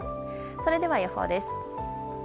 それでは予報です。